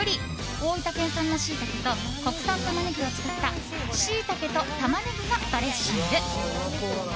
大分県産のシイタケと国産タマネギを使ったシイタケとタマネギのドレッシング。